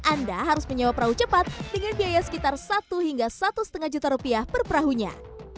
anda harus menyewa perahu cepat dengan biaya sekitar satu hingga satu lima juta rupiah per perahunya